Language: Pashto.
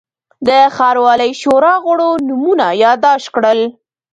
د ښاروالۍ شورا غړو نومونه یاداشت کړل.